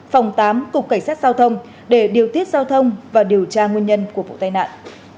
phòng tám cục cảnh sát giao thông để điều tiết giao thông và điều tra nguyên nhân của vụ tai nạn